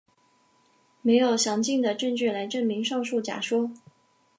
没有详尽的证据来证明上述假说。